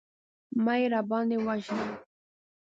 مه يې راباندې وژنه.